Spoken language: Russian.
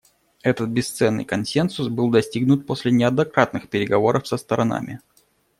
Этот бесценный консенсус был достигнут после неоднократных переговоров со сторонами.